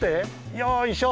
よいしょ。